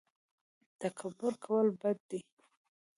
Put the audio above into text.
تکبر کول بد دي